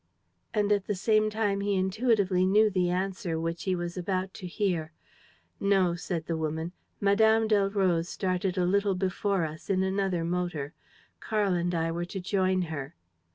..." And at the same time he intuitively knew the answer which he was about to hear: "No," said the woman, "Mme. Delroze started a little before us, in another motor. Karl and I were to join her."